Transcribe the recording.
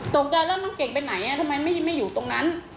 ตกใจแล้วน้องเก่งไปไหนทำไมไม่อยู่ตรงนั้น